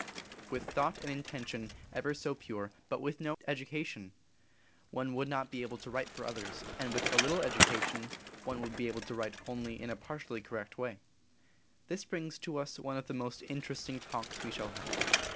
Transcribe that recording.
With thought and intention ever so pure, but with no education, one would not be able to write for others, and with a little education one would be able to write only in a partially correct way. This brings us to one of the most interesting Talks we shall have.